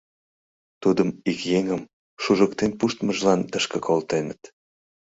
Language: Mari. Тудым ик еҥым шужыктен пуштмыжлан тышке колтеныт.